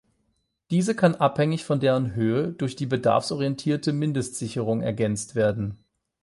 Diese kann abhängig von deren Höhe durch die bedarfsorientierte Mindestsicherung ergänzt werden.